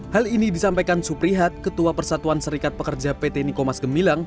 hal ini disampaikan suprihat ketua persatuan serikat pekerja pt nikomas gemilang